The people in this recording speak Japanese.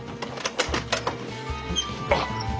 あっ！